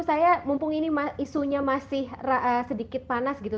saya mumpung ini isunya masih sedikit panas gitu